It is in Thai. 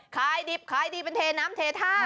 ขายดิบขายดีเป็นเทน้ำเทท่า